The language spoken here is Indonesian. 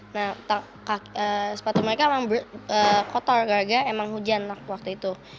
nah sepatu mereka emang kotor gara gara emang hujan waktu itu